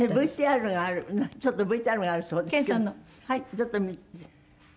ちょっと見て。